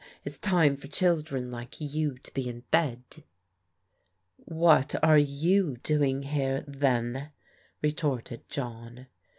It's time for children like you to be in bed." " What are you doing here then ?" retorted John.